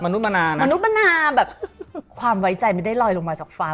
นุมนานะมนุษย์นาแบบความไว้ใจไม่ได้ลอยลงมาจากฟ้า